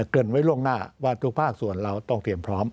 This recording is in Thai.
เกินไว้ล่วงหน้าว่าทุกภาคส่วนเราต้องเตรียมพร้อม